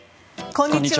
こんにちは。